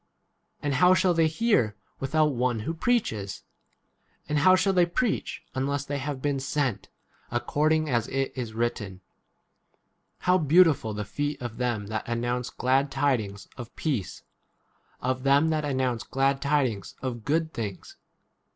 and how shall they hear without one who 15 preaches ? and how shall they preach unless they have been sent ? according as it is written, How beautiful the feet of them that announce glad tidings of peace, of them that announce glad 16 tidings of good things